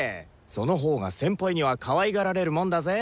そのほうが先輩にはかわいがられるもんだぜ。